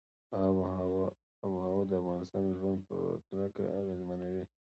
آب وهوا د افغانانو ژوند په کلکه اغېزمنوي.